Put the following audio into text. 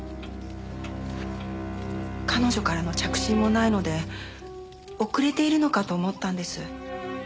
彼女からの着信もないので遅れているのかと思ったんです。